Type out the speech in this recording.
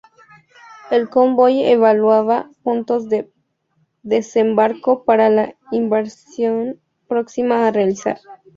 El convoy evaluaba puntos de desembarco para la invasión próxima a realizar.